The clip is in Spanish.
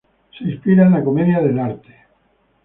Se inspira en la comedia del arte.